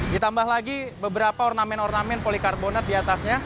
ditambah lagi beberapa ornamen ornamen polikarbonat di atasnya